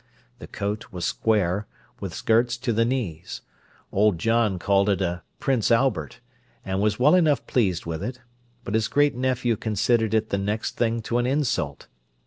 The coat was square, with skirts to the knees; old John called it a "Prince Albert" and was well enough pleased with it, but his great nephew considered it the next thing to an insult.